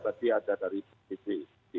tadi ada dari ppb